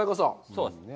そうですね。